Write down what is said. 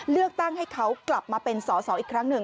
เลือกตั้งให้เขากลับมาเป็นสอสออีกครั้งหนึ่ง